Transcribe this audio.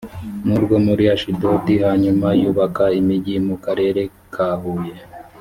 n urwo muri ashidodi hanyuma yubaka imigi mu karere kahuye